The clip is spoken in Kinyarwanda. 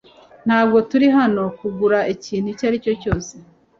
Ntabwo turi hano kugura ikintu icyo ari cyo cyose .